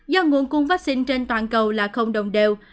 do nguồn cung vaccine trên toàn cầu là không đồng đều